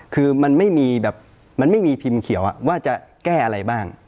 คือมันไม่มีแบบมันไม่มีพิมพ์เขียวว่าจะแก้อะไรบ้าง